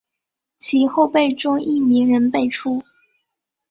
其后辈中亦名人辈出。